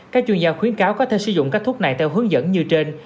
các chuyên gia khuyến cáo có thể sử dụng các thuốc này theo hướng dẫn như trên